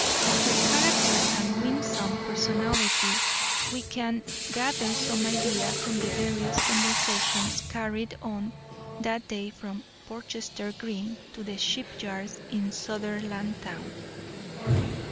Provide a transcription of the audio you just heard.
Of her character and winsome personality we can gather some idea from the various conversations carried on that day from Portchester Green to the shipyards in Sutherlandtown.